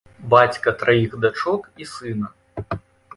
Бацька траіх дачок і сына.